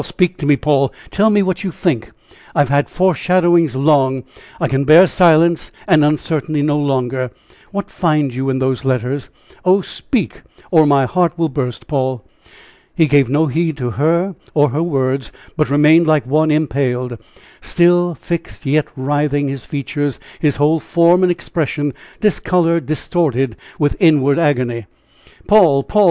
speak to me, Paul. Tell me what you think. I have had foreshadowings long. I can bear silence and uncertainty no longer. What find you in those letters? Oh, speak, or my heart will burst, Paul." He gave no heed to her or her words, but remained like one impaled; still, fixed, yet writhing, his features, his whole form and expression discolored, distorted with inward agony. "Paul! Paul!"